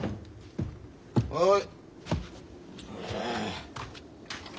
はい。